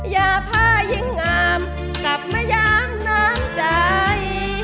อย่าพายิ่งงามกลับมายามน้ำใจ